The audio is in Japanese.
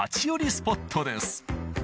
スポットです